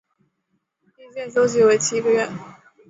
意见收集为期一个月。